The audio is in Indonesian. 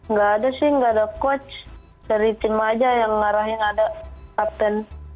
nggak ada sih nggak ada coach dari tim aja yang ngarahin ada kapten